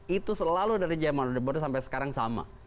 itu selalu dari zaman orde baru sampai sekarang sama